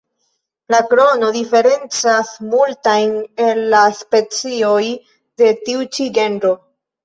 La krono diferencas multajn el la specioj de tiu ĉi genro.